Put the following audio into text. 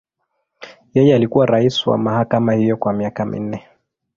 Yeye alikuwa rais wa mahakama hiyo kwa miaka minne.